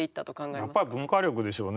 やっぱり文化力でしょうね。